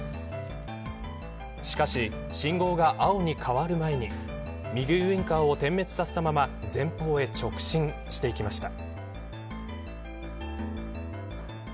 しかし、信号が青に変わる前に右ウインカーを点滅させたまま前方へ直進していきました。